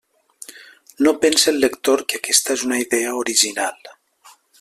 No pense el lector que aquesta és una idea original.